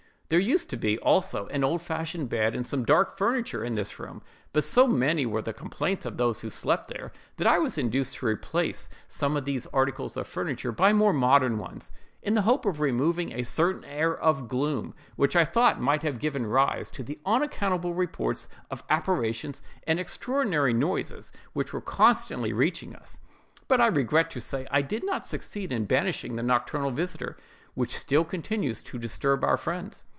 There used to be, also, an old fashioned bed and some dark furniture in this room; but, so many were the complaints of those who slept there, that I was induced to replace some of these articles of furniture by more modern ones, in the hope of removing a certain air of gloom, which I thought might have given rise to the unaccountable reports of apparitions and extraordinary noises which were constantly reaching us. But I regret to say I did not succeed in banishing the nocturnal visiter, which still continues to disturb our friends.